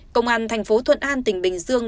công an tp thuận an tp bình dương